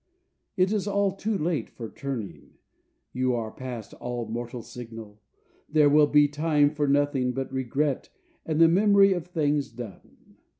It is all too late for turning, You are past all mortal signal, There will be time for nothing but regret And the memory of things done!